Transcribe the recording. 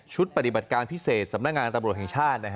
ปฏิบัติการพิเศษสำนักงานตำรวจแห่งชาติ